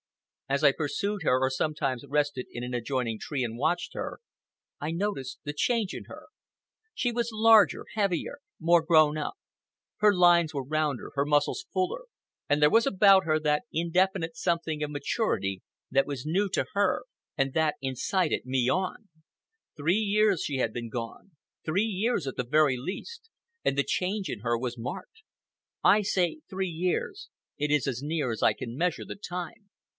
As I pursued her, or sometimes rested in an adjoining tree and watched her, I noticed the change in her. She was larger, heavier, more grown up. Her lines were rounder, her muscles fuller, and there was about her that indefinite something of maturity that was new to her and that incited me on. Three years she had been gone—three years at the very least, and the change in her was marked. I say three years; it is as near as I can measure the time.